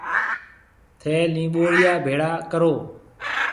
ٿَي نمٻوڙيا ڀيڙا ڪرو۔